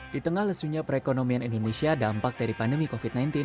di tengah lesunya perekonomian indonesia dampak dari pandemi covid sembilan belas